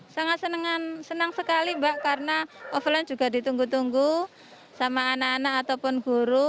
sangat senang sekali mbak karena offline juga ditunggu tunggu sama anak anak ataupun guru